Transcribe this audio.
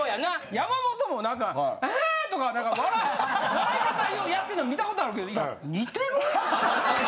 山本も何か「あは！」とか笑い方やってんの見たことあるけど似てる？